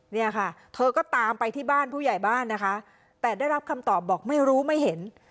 เนี่ยค่ะเธอก็ตามไปที่บ้านผู้ใหญ่บ้านนะคะแต่ได้รับคำตอบบอกไม่รู้ไม่เห็น